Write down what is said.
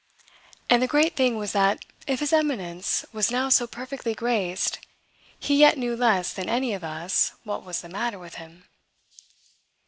And the great thing was that if his eminence was now so perfectly graced he yet knew less than any of us what was the matter with him.